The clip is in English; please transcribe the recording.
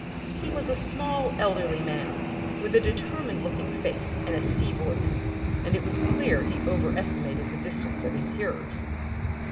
He was a small, elderly man with a determined looking face and a sea voice, and it was clear he overestimated the distance of his hearers.